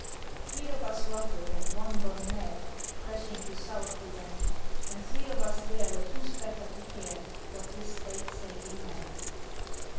Three of us rufBed and one gone mad. Crashing to south we went ; And three of us there were too spattered to care What this late sailing meant.